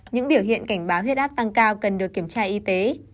những biểu hiện cảnh báo huyết áp tăng cao cần được kiểm tra y tế